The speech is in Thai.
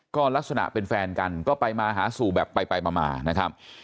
ก็ลักษณะเป็นแฟนกันก็ไปมาหาสู่แบบไปมานะครับ